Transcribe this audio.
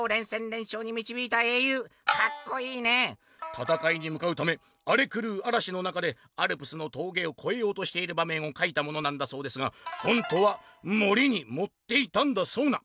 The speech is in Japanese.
「たたかいにむかうためあれくるうあらしの中でアルプスの峠を越えようとしている場面を描いたものなんだそうですが本当は盛りに盛っていたんだそうな！」。